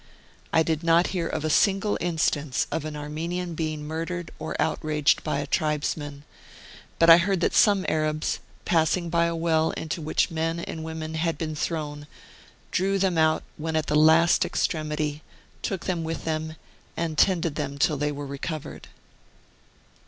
I did not hear of a single instance of an Armenian being murdered or outraged by a tribesman, but I heard that some Arabs, passing by a well into which men and women had been thrown, drew them out when at the last extremity, took them with them, and tended them till they were recovered.